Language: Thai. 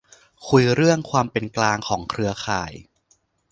คุยเรื่อง "ความเป็นกลางของเครือข่าย"